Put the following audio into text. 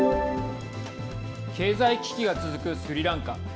経済危機が続くスリランカ。